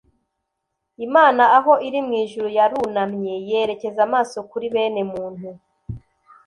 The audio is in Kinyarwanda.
imana, aho iri mu ijuru, yarunamye yerekeza amaso kuri bene muntu